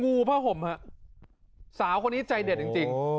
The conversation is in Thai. งูพ่อห่มค่ะสาวคนนี้ใจเด็ดจริง